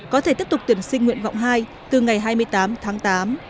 có thể tiếp tục tuyển sinh nguyện vọng hai từ ngày hai mươi tám tháng tám